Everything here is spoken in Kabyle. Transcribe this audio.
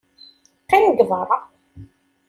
Qqim deg beṛṛa!